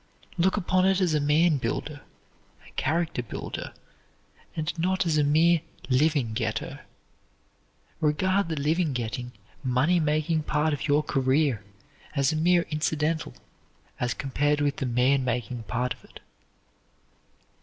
Look upon it as a man builder, a character builder, and not as a mere living getter. Regard the living getting, money making part of your career as a mere incidental as compared with the man making part of it.